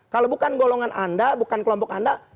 kalau bukan golongan anda bukan kelompok anda